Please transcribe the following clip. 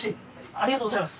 ありがとうございます。